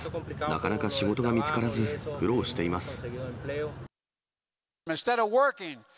なかなか仕事が見つからず、苦労しています。